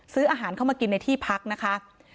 ซื้ออาหารเข้ามากินในที่พักนะคะ